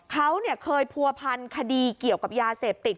เขาเคยผัวพันคดีเกี่ยวกับยาเสพติด